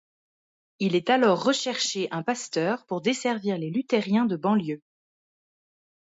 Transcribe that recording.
Il est alors recherché un pasteur pour desservir les luthériens de banlieue.